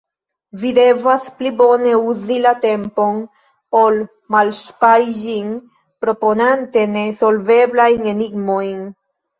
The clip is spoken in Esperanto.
Vi devas pli bone uzi la tempon ol malŝpari ĝin proponante ne solveblajn enigmojn.